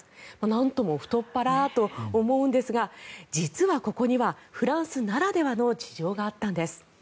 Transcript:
なんとも太っ腹と思うんですが実はここにはフランスならではの事情があったんです。